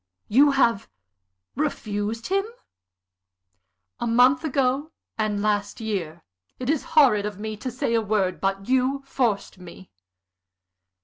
"You have refused him?" "A month ago, and last year. It is horrid of me to say a word. But you forced me."